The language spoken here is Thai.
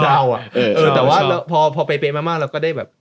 แต่ว่าพอไปมากเราก็ได้แบบ